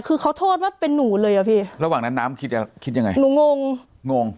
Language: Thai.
คือเขาโทษว่าเป็นหนูเลยอ่ะพี่ระหว่างนั้นน้ำคิดอ่ะคิดยังไงหนูงงงงงง